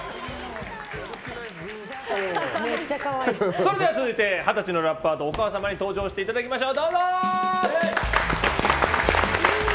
それでは続いて二十歳のラッパーとお母様に登場していただきましょう。